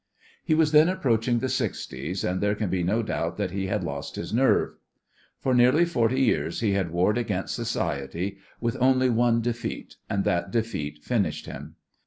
He was then approaching the sixties, and there can be no doubt that he had lost his nerve. For nearly forty years he had warred against society with only one defeat, but that defeat finished him.